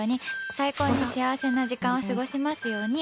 最高に幸せな時間を過ごせますように。